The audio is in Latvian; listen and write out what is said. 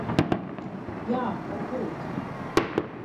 Jā, varbūt.